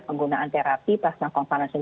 penggunaan terapi plasma konvalesen